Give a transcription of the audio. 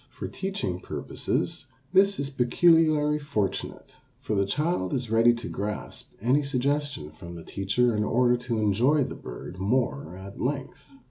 For teaching purposes this is peculiarly fortunate, for the child is ready to grasp any suggestion from the teacher in order to enjoy the bird more at length.